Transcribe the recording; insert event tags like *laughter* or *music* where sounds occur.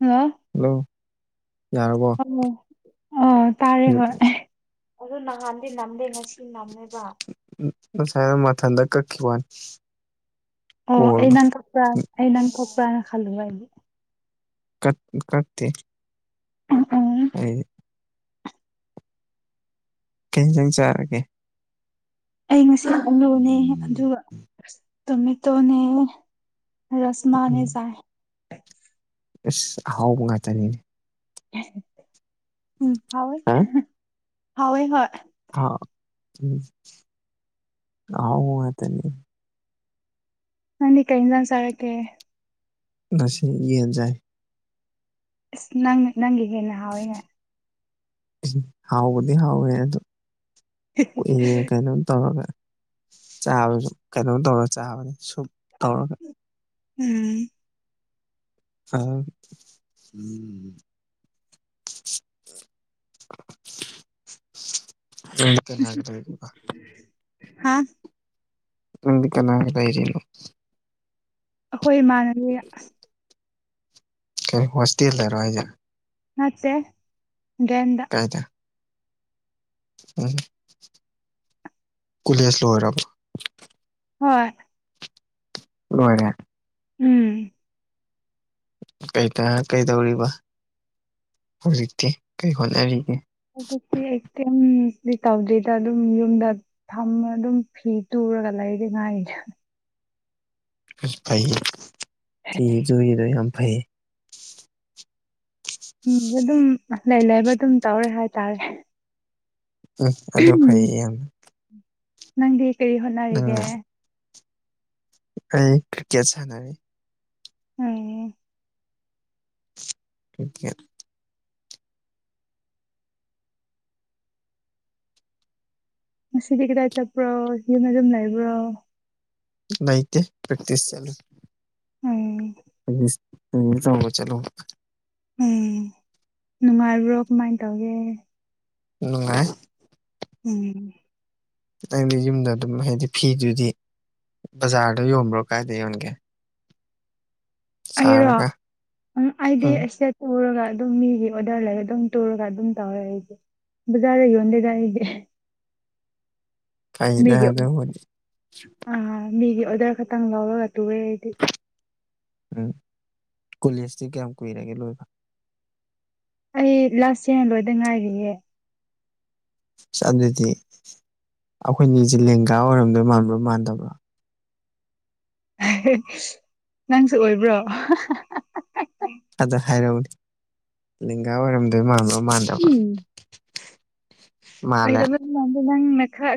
hello ꯌꯥꯔꯕꯣ ꯇꯜꯂꯣ ꯑ ꯇꯥꯔꯦ ꯍꯧꯖꯤꯛ ꯍꯣꯏ ꯑꯗꯨ ꯅꯍꯥꯟꯗꯤ ꯅꯝꯗꯦ ꯉꯁꯤ ꯅꯝꯃꯦ ꯉꯁꯥꯏꯋꯣ ꯃꯊꯟꯗ ꯀꯛꯈꯤ ꯋꯥꯅꯤ ꯑꯣ ꯑꯩ ꯀꯣꯜꯗꯣ ꯅꯪ ꯈꯛꯇ ꯑꯩ ꯅꯪ ꯈꯛꯇꯅ ꯈꯜꯂꯨꯔꯦ ꯑꯩꯗꯤ ꯀꯠ ꯀꯠꯇꯦ ꯎꯝ ꯀꯩ ꯏꯟꯖꯥꯡ ꯆꯥꯔꯒꯦ ꯑꯩ ꯉꯁꯤ ꯑꯂꯨꯅꯦ ꯑꯗꯨꯒ ꯑꯁ ꯇꯣꯃꯦꯇꯣꯅꯦ ꯔꯥꯁꯃꯥꯅꯦ ꯆꯥꯏ ꯏꯁ ꯑꯍꯥꯎꯕ ꯉꯥꯛꯇꯅꯤꯅꯦ ꯎꯝ ꯍꯥꯎꯋꯦ ꯍꯥꯎꯋꯦ ꯍꯣꯏ ꯍꯥꯎ ꯎꯝ ꯑꯍꯥꯎꯕ ꯉꯥꯇꯅꯤ ꯅꯪꯗꯤ ꯀꯩꯏꯟꯖꯥꯡ ꯆꯥꯔꯛꯀꯦ ꯉꯁꯤ ꯌꯦꯟ ꯆꯥꯏ ꯑꯁ ꯅꯪ ꯅꯪꯒꯤ ꯍꯦꯟꯅ ꯍꯥꯎꯋꯤꯅꯦ ꯍꯥꯎꯕꯗꯤ ꯍꯥꯎꯋꯦ ꯑꯗꯣ ꯀꯣꯛꯑꯦꯌꯦ ꯀꯩꯅꯣ ꯇꯧꯔꯒ ꯆꯥꯕꯖꯨ ꯀꯩꯅꯣ ꯇꯧꯔ ꯆꯥꯕꯅꯤ ꯁꯨꯞ ꯇꯧꯔꯒ ꯎꯝ ꯑ ꯎꯝ ꯅꯪꯗꯤ ꯀꯅꯥꯒ ꯂꯩꯔꯤꯕ ꯍꯥꯥ ꯅꯪꯗꯤ ꯀꯅꯥꯒ ꯂꯩꯔꯤꯅꯣ ꯑꯩꯈꯣꯏ ꯏꯃꯥꯟꯅꯕꯤ ꯀꯔꯤ ꯍꯣꯁꯇꯦꯜ ꯗꯔꯣ ꯍꯥꯏꯖꯦ ꯅꯠꯇꯦ ꯔꯦꯟꯗ ꯀꯥꯏꯗ ꯎꯝ ꯀꯨꯂꯦꯖ ꯂꯣꯏꯔꯕꯣ ꯍꯣꯏ ꯂꯣꯏꯔꯦ ꯎꯝ ꯩ ꯀꯩꯀ ꯀꯩꯗꯧꯔꯤꯕ ꯍꯧꯖꯤꯛꯇꯤ ꯀꯩ ꯍꯣꯠꯅꯔꯤꯒꯦ ꯑꯗꯨꯛꯇꯤ ꯑꯩꯛꯇꯤꯟꯗꯤ ꯑꯗꯨꯝ ꯇꯧꯗ꯭ꯔꯤꯗ ꯑꯗꯨꯝ ꯌꯨꯝꯗ ꯊꯝꯃ ꯑꯗꯨꯝ ꯐꯤ ꯇꯨꯔꯒ ꯂꯩꯗ ꯉꯥꯏꯔꯤꯗ ꯑꯁ ꯐꯩꯌꯦ ꯐꯤ ꯇꯨꯔꯤꯗꯣ ꯌꯥꯝ ꯐꯩꯌꯦ ꯎꯝ ꯑꯗꯨꯝ ꯂꯩ ꯂꯩꯕ ꯑꯗꯨꯝ ꯇꯧꯔꯦ ꯍꯥꯏꯇꯥꯔꯦ ꯎꯝ ꯑꯗꯨ ꯐꯩꯌꯦ ꯌꯥꯝꯅ ꯅꯪꯗꯤ ꯀꯔꯤ ꯅꯪ ꯍꯣꯠꯅꯔꯤꯒꯦ ꯑꯩ ꯀ꯭ꯔꯤꯀꯦꯠ ꯁꯥꯟꯅꯔꯤ ꯎꯝ ꯀ꯭ꯔꯤꯀꯦꯠ ꯉꯁꯤꯗꯤ ꯀꯗꯥꯏ ꯆꯠꯄ꯭ꯔꯣ ꯌꯨꯝꯗ ꯑꯗꯨꯝ ꯂꯩꯕ꯭ꯔꯣ ꯂꯩꯇꯦ ꯄ꯭ꯔ‌ꯦꯛꯇꯤꯁ ꯆꯠꯂꯤ ꯎꯝ *unintelligible* ꯆꯥꯎꯕ ꯆꯠꯂꯣ ꯎꯝ ꯅꯨꯡꯉꯥꯏꯕ꯭ꯔꯣ ꯀꯃꯥꯏꯅ ꯇꯧꯒꯦ ꯅꯨꯡꯉꯥꯏ ꯎꯝ ꯅꯪꯗꯤ ꯌꯨꯝꯗ ꯑꯗꯨꯝ ꯍꯥꯏꯗꯤ ꯐꯤꯗꯨꯗꯤ ꯕꯖꯥꯔꯗ ꯌꯣꯟꯕ꯭ꯔꯣ ꯀꯥꯏꯗ ꯌꯣꯟꯒꯦ *inaudible* ꯑꯩꯔꯣ ꯁꯥꯔꯒ ꯎꯝ ꯑꯩꯗꯤ ꯑꯦꯁ‌ꯦꯠ ꯄꯨꯔꯒ ꯑꯗꯨꯝ ꯃꯤꯒꯤ ꯑꯣꯗ꯭ꯔ ꯂꯩꯔ ꯑꯗꯨꯝ ꯇꯨꯔꯒ ꯑꯗꯨꯝ ꯇꯧꯋꯦ ꯑꯩꯗꯤ ꯕꯖꯥꯔꯗ ꯌꯣꯟꯗꯦꯗꯥ ꯑꯩꯗꯤ ꯐꯩꯗ ꯃꯤꯒꯤ ꯑꯞ ꯑꯗꯨꯕꯨꯗꯤ ꯑꯥ ꯃꯤꯒꯤ ꯑꯣꯗ꯭ꯔ ꯈꯇꯪ ꯂꯧꯔꯒ ꯇꯨꯋ‌ꯦ ꯑꯩꯗꯤ ꯎꯝ ꯀꯣꯂꯦꯖꯇꯤ ꯀꯌꯥꯝ ꯀꯨꯏꯔꯒꯦ ꯂꯣꯏꯕ ꯑꯩ ꯂꯥꯁ ꯌ꯭ꯔ ꯂꯣꯏꯗ ꯉꯥꯏꯔꯤꯌꯦ ꯑꯁ ꯑꯗꯨꯗꯤ ꯑꯩꯈꯣꯏꯅꯤꯁꯦ ꯂꯦꯡꯒꯥ ꯑꯣꯏꯔꯝꯗꯣꯏ ꯃꯥꯟꯕ꯭ꯔꯣ ꯃꯥꯟꯗꯕ꯭ꯔꯣ ꯅꯪꯁꯨ ꯑꯣꯏꯕ꯭ꯔꯣ ꯑꯗ‌ꯣ ꯍꯥꯏꯔꯛꯎꯅꯦ ꯂꯦꯡꯒꯥ ꯑꯣꯏꯔꯝꯗꯣꯏ ꯃꯥꯟꯕ꯭ꯔ‌ꯣ ꯃꯥꯟꯗꯕ꯭ꯔꯣ ꯃꯥꯜꯂꯦ ꯑꯣꯏꯔꯝꯃꯅꯤ ꯅꯪꯅ ꯈꯔ